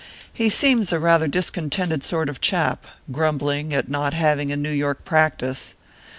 He seems rather a discontented sort of a chap grumbling at not having a New York practice.